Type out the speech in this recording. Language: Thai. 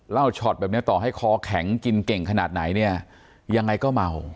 ช็อตแบบนี้ต่อให้คอแข็งกินเก่งขนาดไหนเนี่ยยังไงก็เมา